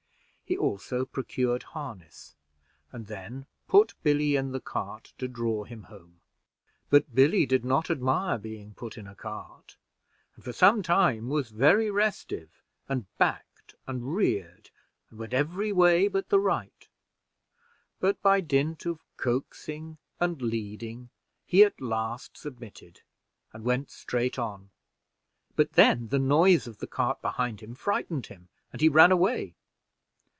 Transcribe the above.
He also procured harness, and then put Billy in the cart to draw him home; but Billy did not admire being put in a cart, and for some time was very restive, and backed and reared, and went every way but the right; but by dint of coaxing and leading, he at last submitted, and went straight on; but then the noise of the cart behind him frightened him, and he ran away.